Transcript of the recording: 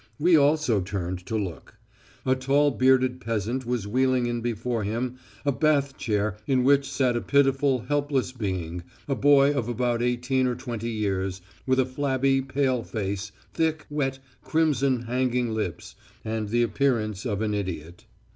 We also turned to look. A tall bearded peasant was wheeling in before him a bath chair in which sat a pitiful helpless being, a boy of about eighteen or twenty years, with a flabby pale face, thick, wet, crimson hanging lips, and the appearance of an idiot.